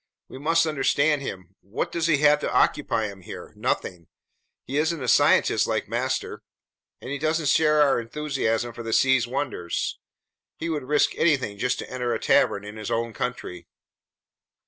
We must understand him. What does he have to occupy him here? Nothing. He isn't a scientist like master, and he doesn't share our enthusiasm for the sea's wonders. He would risk anything just to enter a tavern in his own country!"